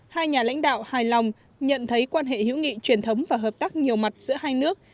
hai nhà lãnh đạo hài lòng nhận thấy quan hệ hữu nghị truyền thống và hợp tác nhiều mặt giữa hai nước